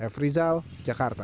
f rizal jakarta